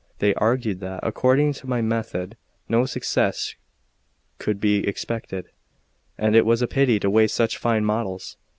They argued that, according to my method, no success could be expected, and it was a pity to waste such fine models.